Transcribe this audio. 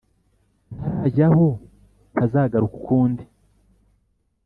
ntarajya aho ntazagaruka ukundi